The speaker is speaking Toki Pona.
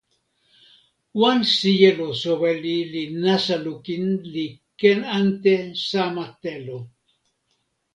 wan sijelo soweli li nasa lukin li ken ante sama telo.